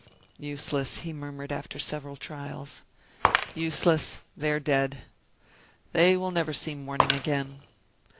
"Useless," he murmured, after several trials, "useless; they are dead! They will never see morning again.